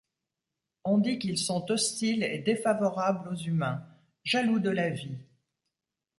On dit qu'ils sont hostiles et défavorables aux humains, jaloux de la vie.